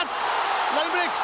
ラインブレーク